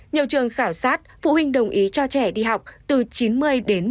nhiều trường khảo sát phụ huynh đồng ý cho trẻ đi học từ chín mươi đến một trăm linh